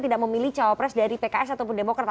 tidak memilih calon presiden dari pks atau demokra